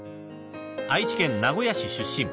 ［愛知県名古屋市出身］